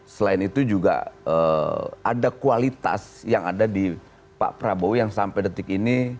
selain itu juga ada kualitas yang ada di pak prabowo yang sampai detik ini